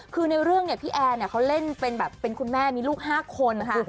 คือในเรื่องพี่แอนเขาเล่นเป็นคุณแม่มีลูก๕คน